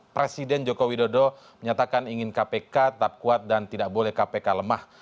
presiden joko widodo menyatakan ingin kpk tetap kuat dan tidak boleh kpk lemah